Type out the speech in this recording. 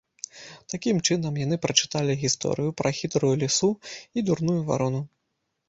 Такім чынам яны прачыталі гісторыю пра хітрую лісу і дурную варону.